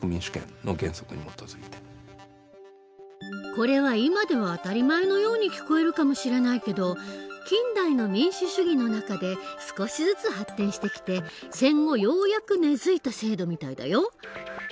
これは今では当たり前のように聞こえるかもしれないけど近代の民主主義の中で少しずつ発展してきて戦後ようやく根づいた制度みたいだよ。